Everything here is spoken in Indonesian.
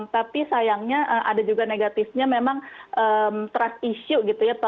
tapi sayangnya ada juga negatifnya memang trust issue